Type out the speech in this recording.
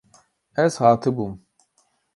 Ez hatibûm.